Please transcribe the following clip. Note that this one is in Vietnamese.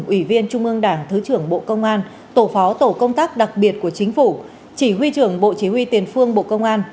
ủy viên trung ương đảng thứ trưởng bộ công an tổ phó tổ công tác đặc biệt của chính phủ chỉ huy trưởng bộ chỉ huy tiền phương bộ công an